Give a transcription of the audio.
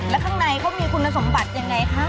แล้วข้างในเขามีคุณสมบัติยังไงคะ